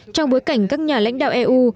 trong bối cảnh các nhà lãnh đạo eu